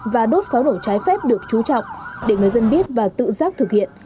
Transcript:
và đốt pháo nổ trái phép được chú trọng để người dân biết và tự giác thực hiện